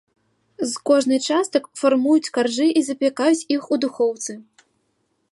З кожнай частак фармуюць каржы і запякаюць іх у духоўцы.